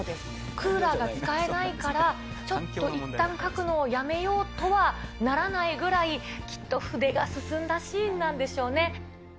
クーラーが使えないからちょっといったん描くのをやめようとはならないぐらい、きっと筆が進んだシーンなんでしょうね。